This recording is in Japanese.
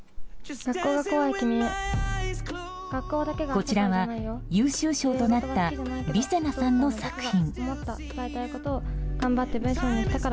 こちらは優秀賞となったりせなさんの作品。